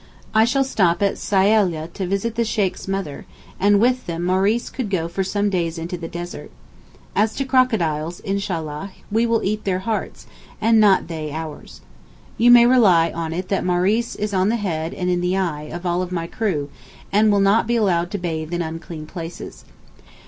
I shall stop at Syaleh to visit the Sheykh's mother, and with them Maurice could go for some days into the desert. As to crocodiles, Inshallah, we will eat their hearts, and not they ours. You may rely on it that Maurice is 'on the head and in the eye' of all my crew, and will not be allowed to bathe in 'unclean places.